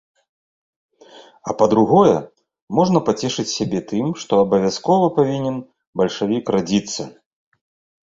А па-другое, можна пацешыць сябе тым, што абавязкова павінен бальшавік радзіцца!